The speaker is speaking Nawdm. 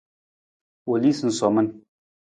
U lii sunsomin.